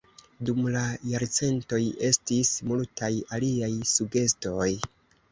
Dum la jarcentoj, estis multaj aliaj sugestoj.